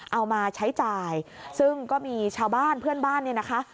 เอามาใช้จ่ายซึ่งก็มีชาวบ้านเพื่อนบ้านเนี่ยนะคะ